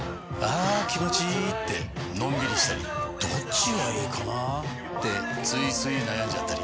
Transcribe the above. あ気持ちいいってのんびりしたりどっちがいいかなってついつい悩んじゃったり。